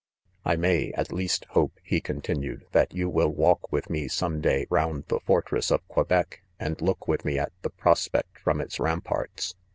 I 'may, at least hope, 3 3 he continued, "that yon will walk with me, some day, round the fort ress of Quebec, aud look with me at the pros pect from its ramparts.